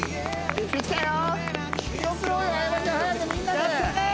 行ってきたよ！